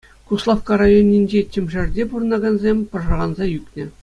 Куславкка районӗнчи Тӗмшерте пурӑнакансем пӑшарханса ӳкнӗ.